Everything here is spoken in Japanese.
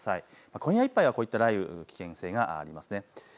今夜いっぱいはこういった雷雨の危険性があります。